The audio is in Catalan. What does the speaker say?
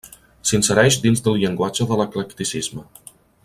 S'insereix dins del llenguatge de l'eclecticisme.